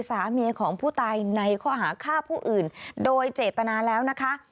สามีของผู้ตายในข้อหาฆ่าผู้อื่นโดยเจตนาแล้วนะคะ